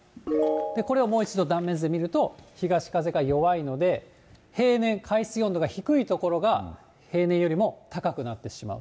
これをもう一度断面図で見ると、東風が弱いので、平年、海水温度が低い所が、平年よりも高くなってしまう。